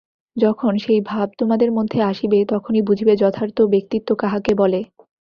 যখন সেই ভাব তোমাদের মধ্যে আসিবে, তখনই বুঝিবে যথার্থ ব্যক্তিত্ব কাহাকে বলে।